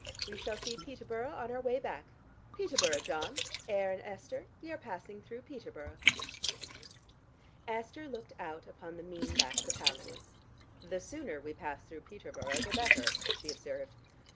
"We shall see Peterborough on our way back. Peterborough, John. Ayr and Esther, we are passing through Peterborough." Esther looked out upon the mean backs of houses. "The sooner we pass through Peterborough the better," she observed.